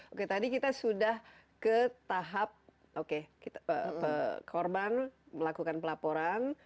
oke tadi kita sudah ke tahap korban melakukan pelaporan